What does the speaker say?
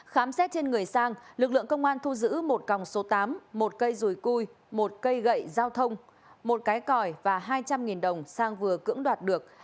khám xét trên người sang lực lượng công an thu giữ một còng số tám một cây rùi cui một cây gậy giao thông một cái còi và hai trăm linh đồng sang vừa cưỡng đoạt được